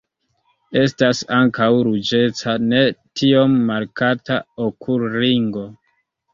Estas ankaŭ ruĝeca ne tiom markata okulringo.